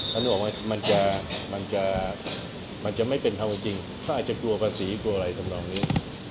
ท่านบอกว่ามันจะไม่เป็นความจริงเขาอาจจะกลัวภาษีกลัวอะไรทำนองนี้